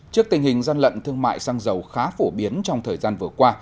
trước tình hình gian lận thương mại xăng dầu khá phổ biến trong thời gian vừa qua